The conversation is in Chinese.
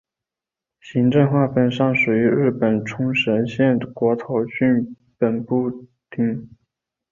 行政划分上属于日本冲绳县国头郡本部町。